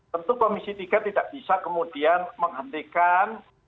tentu komisi tiga tidak bisa kemudian menghentikan